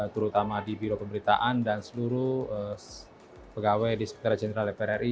terutama di biro pemberitaan dan seluruh pegawai di sekretariat jenderal dpr ri